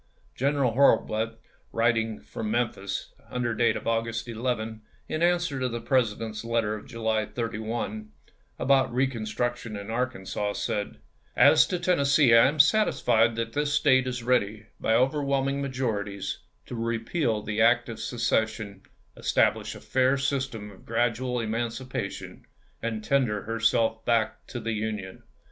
General Hurlbut, writing from Memphis, under date of August 11, in answer to the Presi dent's letter of July 31, about reconstruction in Arkansas, said : "As to Tennessee, I am satisfied that this State is ready, by overwhelming majori ties, to repeal the act of secession, establish a fau" system of gradual emancipation, and tender herself back to the Union.